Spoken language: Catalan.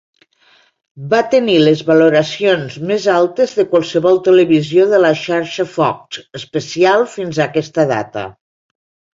Va tenir les valoracions més altes de qualsevol televisió de la xarxa Fox especial fins a aquesta data.